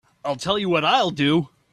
I'll tell you what I'll do.